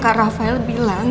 dia akan paruh dirinya